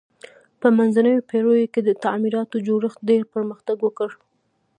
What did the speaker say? په منځنیو پیړیو کې د تعمیراتو جوړښت ډیر پرمختګ وکړ.